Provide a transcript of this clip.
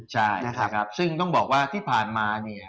ใช่นะครับซึ่งต้องบอกว่าที่ผ่านมาเนี่ย